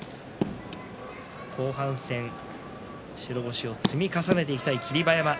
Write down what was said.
後半戦、白星を積み重ねていきたい霧馬山。